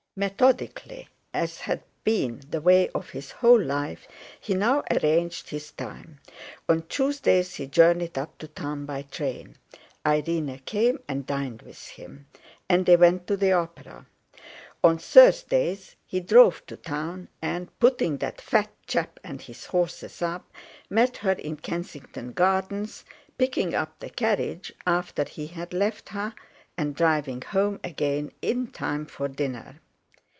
Methodically, as had been the way of his whole life, he now arranged his time. On Tuesdays he journeyed up to town by train; Irene came and dined with him. And they went to the opera. On Thursdays he drove to town, and, putting that fat chap and his horses up, met her in Kensington Gardens, picking up the carriage after he had left her, and driving home again in time for dinner.